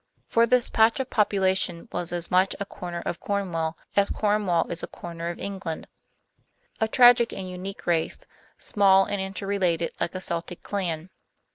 For this patch of population was as much a corner of Cornwall as Cornwall is a corner of England; a tragic and unique race, small and interrelated like a Celtic clan.